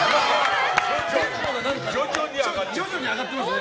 徐々に上がってますね。